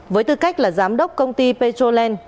với tư cách là giám đốc công ty petrolen